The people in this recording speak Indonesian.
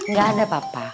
nggak ada papa